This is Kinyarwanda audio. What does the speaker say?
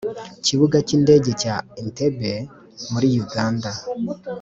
kibuga cy'indege cya entebbe muri uganda,